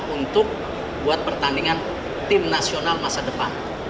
untuk buat pertandingan tim nasional masa depan